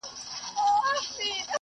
د څېړنې دقیق تحلیل پایله ټاکي.